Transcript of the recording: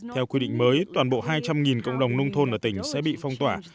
theo quy định mới toàn bộ hai trăm linh cộng đồng nông thôn ở tỉnh sẽ bị phong tỏa